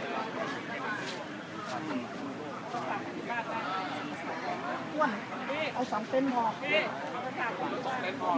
มีคนไหนมีคนอื่นมาอะไรครับ